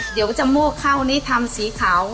เดี๋ยวจะมั่วเข้านี่ทำสีขาว